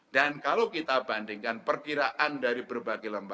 dan kalau kita bandingkan perkiraan dari berbagai lomba